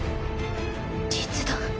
実弾。